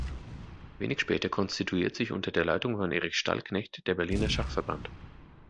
Wenig später konstituiert sich unter der Leitung von Erich Stallknecht der Berliner Schachverband.